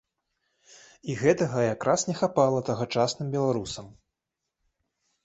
І гэтага, як раз і не хапала тагачасным беларусам.